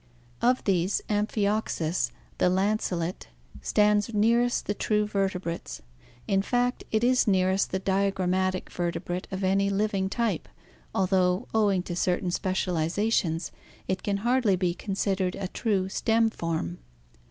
Of these, Am pkioxus, the lancelet, stands nearest the true vertebrates, in fact it is nearest the diagrammatic vertebrate of any living type, al though, owing to certain specializations, it can hardly be considered a true stem form.